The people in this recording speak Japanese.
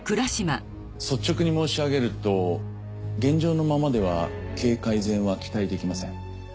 率直に申し上げると現状のままでは経営改善は期待できません。